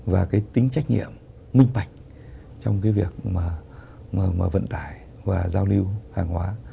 và cái tính trách nhiệm minh bạch trong cái việc mà vận tải và giao lưu hàng hóa